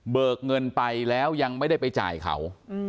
เงินไปแล้วยังไม่ได้ไปจ่ายเขา